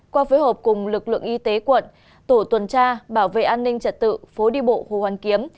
qua phối hợp cùng lực lượng y tế quận tổ tuần tra bảo vệ an ninh trật tự phố đi bộ hồ hoàn kiếm